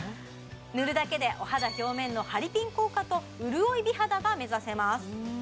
塗るだけでお肌表面のハリピン効果と潤い美肌が目指せます